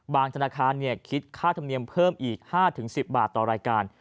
ธนาคารคิดค่าธรรมเนียมเพิ่มอีก๕๑๐บาทต่อรายการ